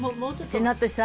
しなっとした？